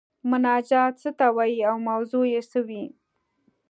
مناجات څه ته وايي او موضوع یې څه وي؟